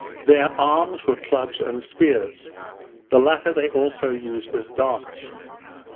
Their arms were clubs and spears; the latter they also use as darts.